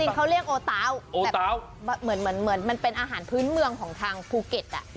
เขาเรียกโอตาวแบบเหมือนมันเป็นอาหารพื้นเมืองของทางภูเก็ต